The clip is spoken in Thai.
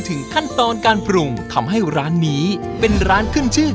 ถึงขั้นตอนการปรุงทำให้ร้านนี้เป็นร้านขึ้นชื่อ